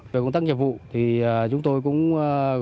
về công tác nhiệm vụ thì chúng tôi cũng góp